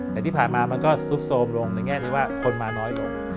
แต่ที่ผ่านมามันก็ซุดโทรมลงในแง่ที่ว่าคนมาน้อยลง